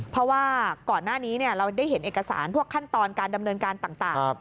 เพราะว่าก่อนหน้านี้เราได้เห็นเอกสารพวกขั้นตอนการดำเนินการต่าง